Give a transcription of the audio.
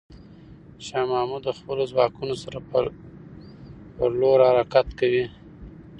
شاه محمود د خپلو ځواکونو سره پر لور حرکت کوي.